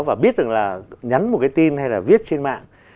và biết rằng là nhắn một cái tin hay là viết trên mạng